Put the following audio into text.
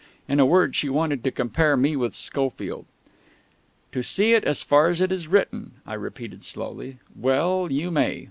In a word, she wanted to compare me with Schofield. "To see it as far as it is written," I repeated slowly.... "Well, you may.